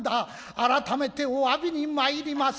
改めてお詫びに参ります。